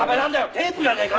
テープじゃねえか！